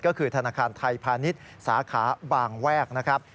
ก็คือธนาคารไทยพาณิชย์สาขาบางแวกนะครับ